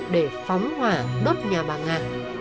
để phóng hỏa đốt nhà bà nga